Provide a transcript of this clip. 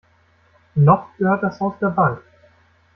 Noch gehört das Haus der Bank.